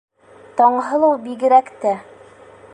Таңһылыу бигерәк тә.